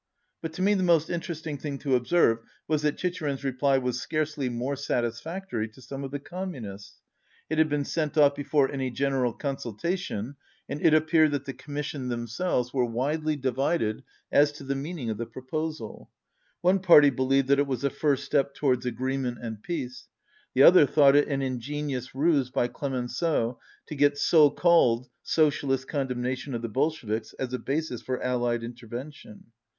But to me the most interesting thing to observe was that Chicherin's reply was scarcely more satisfactory to some of the Communists. It had been sent off before any general consultation, and it appeared that the Communists themselves were widely di vided as to the meaning of the proposal. One party believed that it was a first step towards agreement and peace. The other thought it an ingenious ruse by Clemenceau to get "so called" socialist condemnation of the Bolsheviks as a basis for allied intervention.